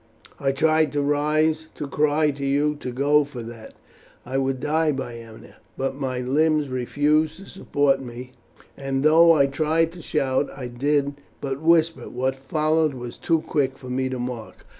I tried to rise to cry to you to go, for that I would die by Ennia, but my limbs refused to support me; and though I tried to shout I did but whisper. What followed was too quick for me to mark.